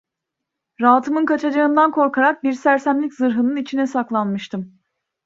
Rahatımın kaçacağından korkarak bir sersemlik zırhının içine saklanmıştım.